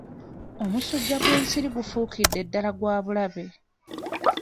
Omusujja gw'ensiri gufuukidde ddala gwa bulabe